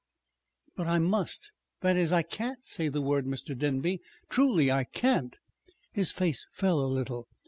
"But I must that is I can't say the word, Mr. Denby. Truly I can't!" His face fell a little.